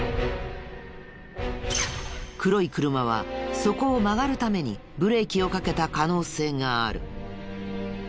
黒い車はそこを曲がるためにブレーキをかけた可能性がある。